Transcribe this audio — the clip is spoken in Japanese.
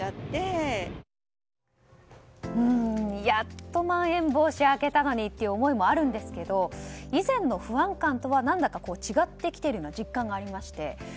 やっとまん延防止明けたのにっていう思いもあるんですけど以前の不安感とは何だか違ってきているような実感がありまして。